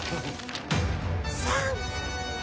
３。